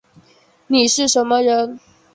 你是什么人